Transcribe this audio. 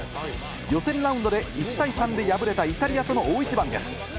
予選ラウンドで１対３で敗れたイタリアとの大一番です。